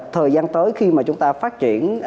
thời gian tới khi mà chúng ta phát triển